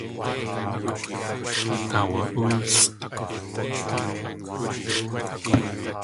Aawa.óosʼ.